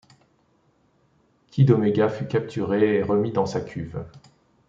Kid Omega fut capturé et remis dans sa cuve.